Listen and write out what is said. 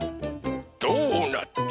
ドーナツ。